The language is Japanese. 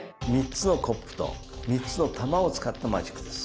３つのコップと３つの玉を使ったマジックです。